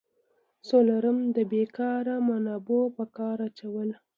څلورم: د بیکاره منابعو په کار اچول.